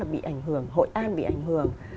bị ảnh hưởng hội an bị ảnh hưởng